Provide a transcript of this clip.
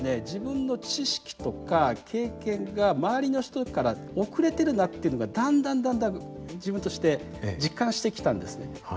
自分の知識とか経験が周りの人から遅れてるなっていうのがだんだんだんだん自分として実感してきたんですね。